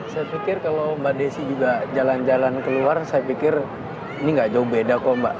saya pikir kalau mbak desi juga jalan jalan keluar saya pikir ini nggak jauh beda kok mbak